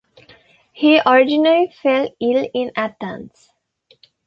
He originally fell ill in Athens.